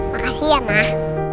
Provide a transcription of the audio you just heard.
makasih ya mah